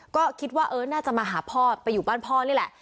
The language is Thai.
ก็คิดว่าเออน่าจะมาหาพ่อไปอยู่บ้านพ่อนี่แหละ